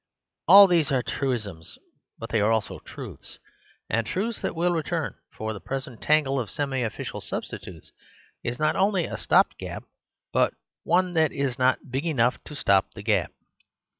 All these are truisms but they are also truths, and truths that will return; for the present tangle of semi oflficial substitutes is not only a stop gap, but one that is not big enough to stop the gap.